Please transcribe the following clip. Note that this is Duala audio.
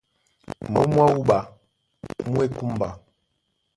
Mǒm mwá wúɓa mú e kúmba.